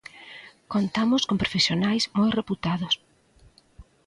Contamos con profesionais moi reputados.